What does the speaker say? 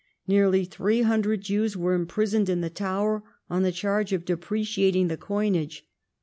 Nearly three hundred Jews were imprisoned in the Tower on the charge of depreciating the coinage.